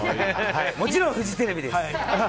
もちろんフジテレビです。